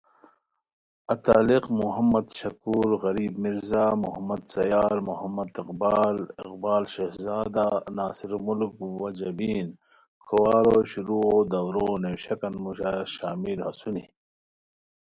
اتالیق محمد شکور غریبؔ مرزا محمد سیر محمد اقبال اقبالؔ شہزادہ ناصرالملک وا جبین کھوارو شروعو دَورو نیویشیکان موژی شامل اسونی